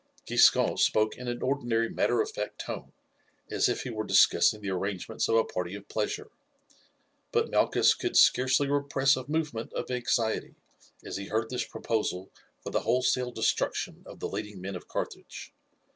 Giscon spoke in an ordinary matter of fact tone, as if he were discussing the arrangements of a party of pleasure; but Malchus could scarcely repress a movement of anxiety as he heard this proposal for the wholesale destruction of the leading men of Carthage.